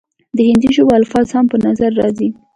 د هندي ژبو الفاظ هم پۀ نظر راځي،